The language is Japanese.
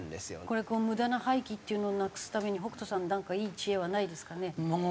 これ無駄な廃棄っていうのをなくすために北斗さんなんかいい知恵はないですかね？